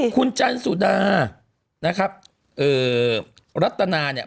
คุณจันสุดารัฐนานี่